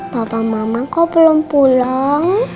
papa mama kau belum pulang